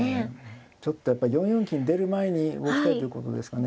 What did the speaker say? ちょっとやっぱり４四金出る前に動きたいということですかね。